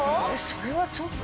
それはちょっと。